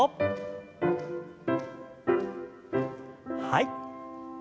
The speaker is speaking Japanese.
はい。